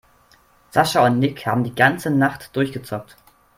Sascha und Nick haben die ganze Nacht durchgezockt.